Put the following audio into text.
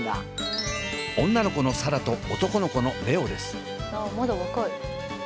女の子の紗蘭と男の子の蓮音です。